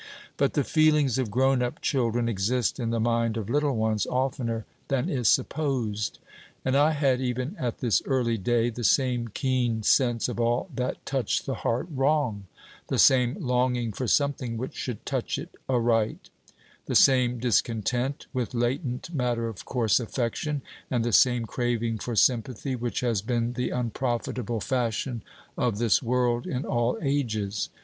But the feelings of grown up children exist in the mind of little ones oftener than is supposed; and I had, even at this early day, the same keen sense of all that touched the heart wrong; the same longing for something which should touch it aright; the same discontent, with latent, matter of course affection, and the same craving for sympathy, which has been the unprofitable fashion of this world in all ages.